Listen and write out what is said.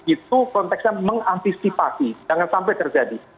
itu konteksnya mengantisipasi jangan sampai terjadi